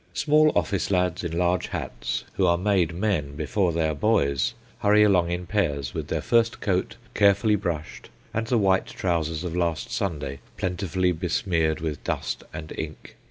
Small office lads in large hats, who are made men before they are boys, hurry along in pairs, with their first coat carefully brushed, and the white trousers of last Sunday plentifully besmeared with dust and ink.